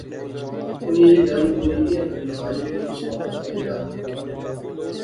انی ایہہ گل کوئی ایہھاں کری بائی کہ اس ناں پرھا جیہڑا